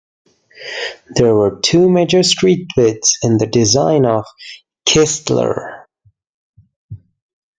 There were two major street widths in the design of Kistler.